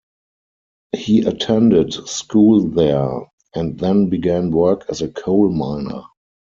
He attended school there and then began work as a coal miner.